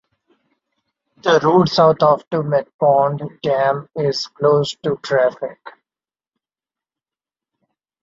The road south of Tumut Pond dam is closed to traffic.